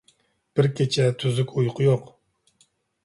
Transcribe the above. بىر كېچە تۈزۈك ئۇيقۇ يوق.